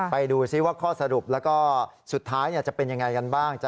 ไปดูซิว่าข้อสรุปแล้วก็สุดท้ายจะเป็นยังไงกันบ้าง